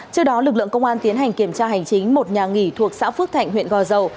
trước đó lực lượng công an tiến hành kiểm tra hành chính một nhà nghỉ thuộc xã phước thạnh huyện gò dầu